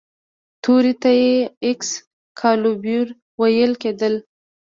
تورې ته ایکس کالیبور ویل کیدل.